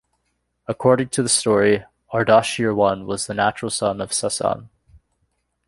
According to the story, Ardashir I was the natural son of Sassan.